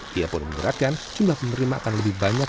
dia pun memberatkan jumlah penerima akan lebih banyak